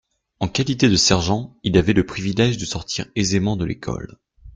En qualité de sergent il avait le privilège de sortir aisément de l'école.